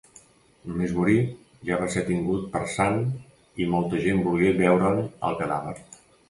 Només morir, ja va ser tingut per sant i molta gent volgué veure'n el cadàver.